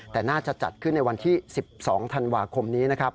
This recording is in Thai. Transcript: แต่น่าจะจัดขึ้นในวันที่๑๒ธันวาคมนี้นะครับ